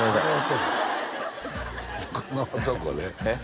この男ねえっ？